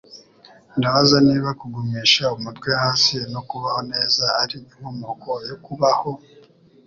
Ndabaza niba kugumisha umutwe hasi no kubaho neza ari inkomoko yo kubaho?